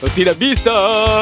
kau tidak bisa